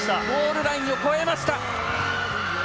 ゴールラインを超えました。